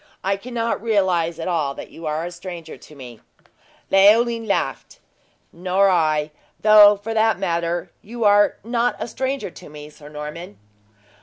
I cannot realize at all that you are a stranger to me!" Leoline laughed: "Nor I; though, for that matter, you are not a stranger to me, Sir Norman!"